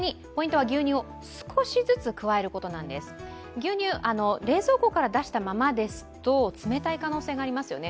牛乳を冷蔵庫から出したままだと冷たい可能性がありますよね。